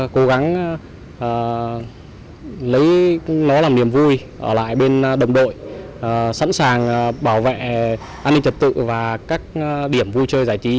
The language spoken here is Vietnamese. cố gắng nó là niềm vui ở lại bên đồng đội sẵn sàng bảo vệ an ninh trật tự và các điểm vui chơi giải trí